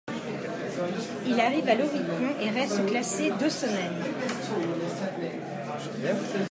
Il arrive à l'Oricon et reste classé deux semaines.